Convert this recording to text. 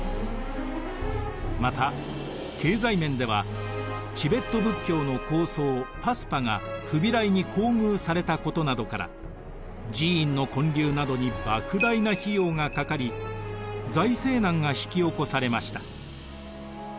また経済面ではチベット仏教の高僧パスパがフビライに厚遇されたことなどから寺院の建立などにばく大な費用がかかり財政難が引き起こされました。